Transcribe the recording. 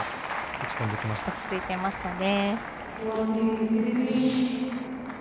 落ち着いていましたね。